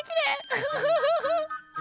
ウフフフフ。